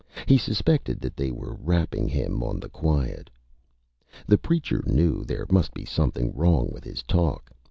He suspected that they were Rapping him on the Quiet. The Preacher knew there must be Something wrong with his Talk.